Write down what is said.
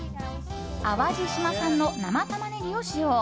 淡路島産の生タマネギを使用。